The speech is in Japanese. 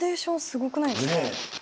すごくないですか？